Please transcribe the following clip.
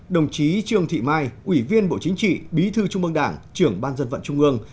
đồng chí trương thị mai ủy viên bộ chính trị bí thư trung mương đảng trưởng ban dân vận trung ương